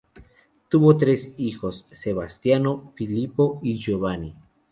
Tuvo tres hijos: Sebastiano, Filippo y Giovanni.